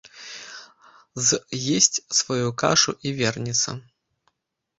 З есць сваю кашу і вернецца.